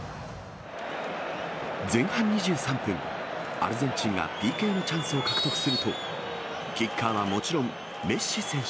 前半２３分、アルゼンチンがＰＫのチャンスを獲得すると、キッカーはもちろん、メッシ選手。